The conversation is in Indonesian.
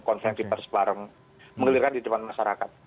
konflik kita harus bareng mengelirkan di depan masyarakat